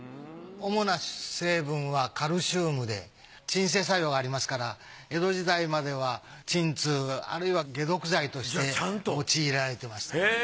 主な成分はカルシウムで鎮静作用がありますから江戸時代までは鎮痛あるいは解毒剤として用いられていました。